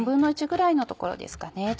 １／４ぐらいのところですかね。